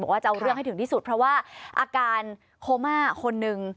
ว่าจะเอาเรื่องให้ถึงที่สุดเพราะว่าอาการโคม่าคนหนึ่ง